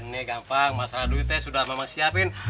ini gampang masalah duitnya sudah mama siapin